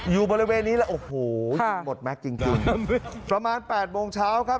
อยู่บริเวณนี้แล้วโอ้โหยิงหมดแม็กซ์จริงประมาณแปดโมงเช้าครับ